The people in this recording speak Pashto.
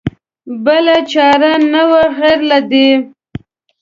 بله چاره نه وه غیر له دې.